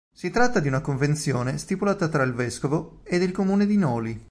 Si tratta di una convenzione stipulata tra il vescovo ed il Comune di Noli.